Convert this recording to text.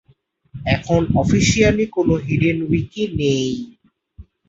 এখন অফিসিয়ালি কোন hidden wiki নেই।